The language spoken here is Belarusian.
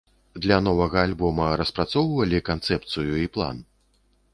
Для новага альбома распрацоўвалі канцэпцыю і план?